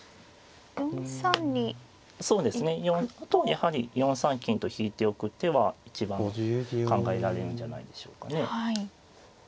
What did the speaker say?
やはり４三金と引いておく手は一番考えられるんじゃないでしょうかね。